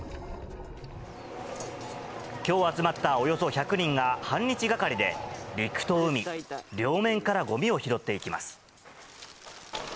きょう集まったおよそ１００人が、半日がかりで陸と海、両面からごみを拾っていきます。